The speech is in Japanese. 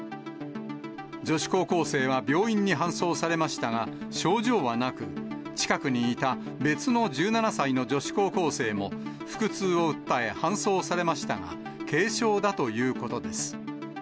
女子高校生は病院に搬送されましたが、症状はなく、近くにいた別の１７歳の女子高校生も腹痛を訴え搬送されましたが、軽症だということです。